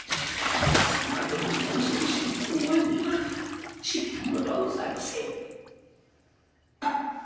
さもないとどんな恐ろしい目にお遭いになるか知れたものではございませんよ。